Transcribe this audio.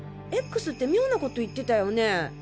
Ｘって妙なこと言ってたよね。